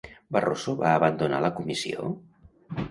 Barroso va abandonar la comissió?